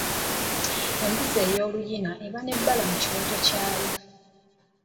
Embuzi ey'oluyina eba n'ebbala mu kiwato kyayo.